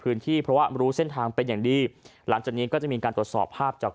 พื้นที่เพราะว่ารู้เส้นทางเป็นอย่างดีหลังจากนี้ก็จะมีการตรวจสอบภาพจาก